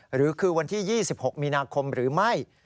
หรือคือวันที่๒๖มีนาคมหรือไม่